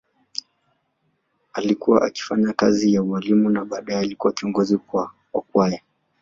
Alikuwa akifanya kazi ya ualimu na baadaye alikuwa kiongozi wa kwaya.